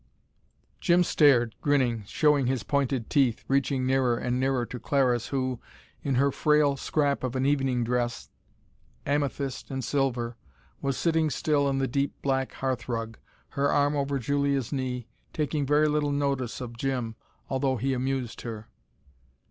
Jim stared, grinning, showing his pointed teeth, reaching nearer and nearer to Clariss who, in her frail scrap of an evening dress, amethyst and silver, was sitting still in the deep black hearth rug, her arm over Julia's knee, taking very little notice of Jim, although he amused her.